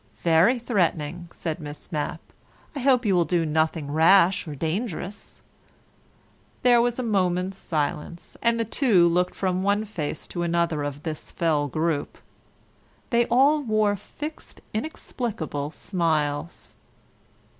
"Very threatening," said Miss Mapp. "I hope you will do nothing rash or dangerous." There was a moment's silence, and the two looked from one face to another of this fell group. They all wore fixed, inexplicable smiles.